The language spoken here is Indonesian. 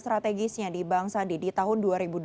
program strategisnya di bangsadi di tahun dua ribu dua puluh dua